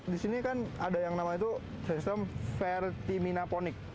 di sini kan ada yang namanya itu sistem vertiminaponik